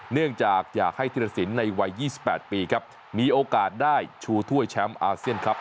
เนื่องจากอยากให้ธิรสินในวัย๒๘ปีครับมีโอกาสได้ชูถ้วยแชมป์อาเซียนครับ